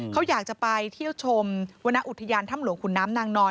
เขาอยากจะไปเที่ยวชมวรรณอุทยานถ้ำหลวงขุนน้ำนางนอน